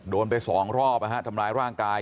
โดนไป๒รอบทำร้ายร่างกาย